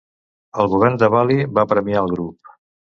El govern de Bali va premiar el grup.